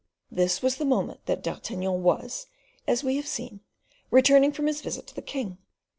This was the moment that D'Artagnan was, as we have seen, returning from his visit to the king.